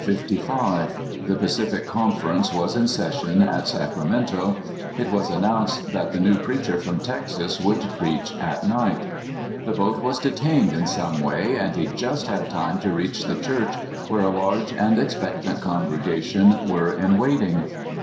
The Pacific Conference was in session at Sacramento. It was announced that the new preacher from Texas would preach at night. The boat was de tained in some way, and he just had time to reach the church, where a large and expectant congrega tion were in waiting.